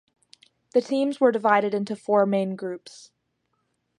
The teams were divided into four main groups.